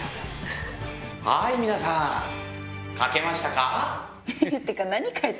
はい皆さん描けましたか？